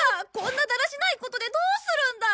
こんなだらしないことでどうするんだ！